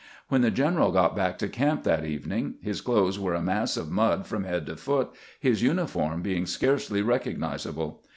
When the general got back to camp that evening his clothes were a mass of mud from head to foot, his uni form being scarcely recognizable.